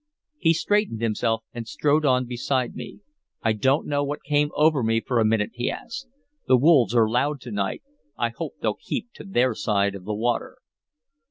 He straightened himself and strode on beside me. "I don't know what came over me for a minute," he answered. "The wolves are loud to night. I hope they'll keep to their side of the water."